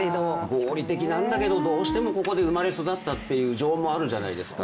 合理的なんだけど、どうしてもここで生まれ育ったという情もあるじゃないですか。